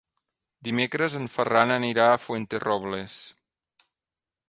Dimecres en Ferran anirà a Fuenterrobles.